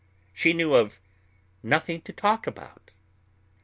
She knew of nothing to talk about.